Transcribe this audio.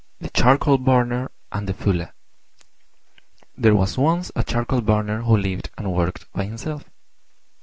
THE CHARCOAL BURNER AND THE FULLER There was once a Charcoal burner who lived and worked by himself.